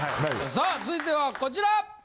さあ続いてはこちら！